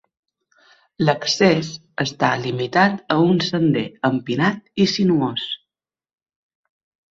L'accés està limitat a un sender empinat i sinuós.